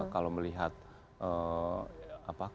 kalau melihat karakternya